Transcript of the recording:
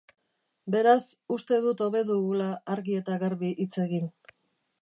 Beraz, uste dut hobe dugula argi eta garbi hitz egin.